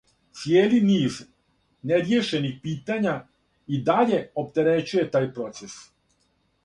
Цијели низ неријешених питања и даље оптерећује тај процес.